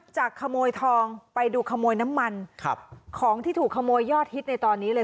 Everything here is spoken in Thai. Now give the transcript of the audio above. จากขโมยทองไปดูขโมยน้ำมันของที่ถูกขโมยยอดฮิตในตอนนี้เลย